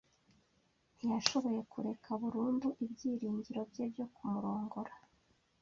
Ntiyashoboye kureka burundu ibyiringiro bye byo kumurongora.